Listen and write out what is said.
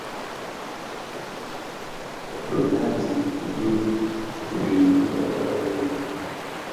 Bèè yaà dig bì di bum bê rì wôô.